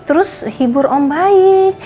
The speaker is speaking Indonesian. terus hibur om baik